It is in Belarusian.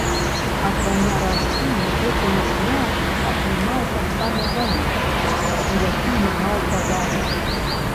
Акрамя ракі, гэтую ж назву атрымаў таксама заліў, у які яна ўпадае.